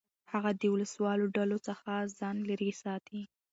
هغه د وسلهوالو ډلو څخه ځان لېرې ساتي.